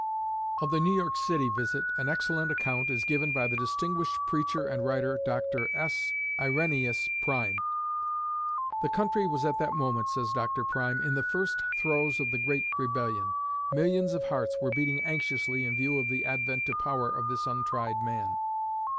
Of the New York City visit, an excellent account is given by the distinguished preacher and writer, Dr. S. Irenæus Prime. "The country was at that moment," says Dr. Prime, "in the first throes of the great rebellion. Millions of hearts were beating anxiously in view of the advent to power of this untried man.